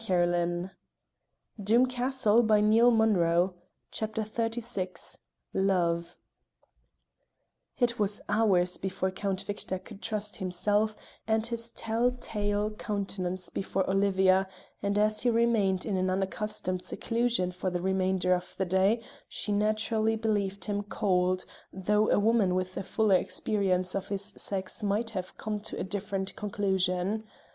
Praise God, my dear, that he's found out!" CHAPTER XXXVI LOVE It was hours before Count Victor could trust himself and his tell tale countenance before Olivia, and as he remained in an unaccustomed seclusion for the remainder of the day, she naturally believed him cold, though a woman with a fuller experience of his sex might have come to a different conclusion.